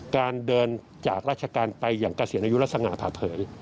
การเดินจากราชการไปอย่างเกษียณอายุลักษณะผ่าเผย